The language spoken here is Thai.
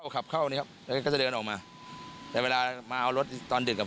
ขับเข้าเนี้ยครับแล้วก็จะเดินออกมาแต่เวลามาเอารถตอนดึกกับ